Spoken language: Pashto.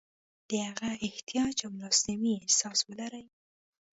د هغه احتیاج او لاسنیوي احساس ولري.